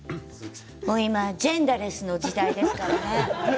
今ジェンダーレスな時代ですからね。